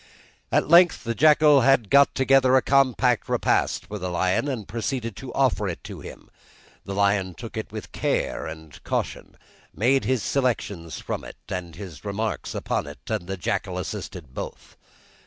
At length the jackal had got together a compact repast for the lion, and proceeded to offer it to him. The lion took it with care and caution, made his selections from it, and his remarks upon it, and the jackal assisted both.